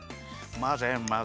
まぜまぜ！